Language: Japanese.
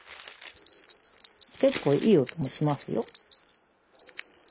結構いい音がしますよ。